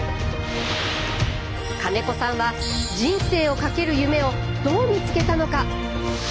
金子さんは人生をかける夢をどう見つけたのか？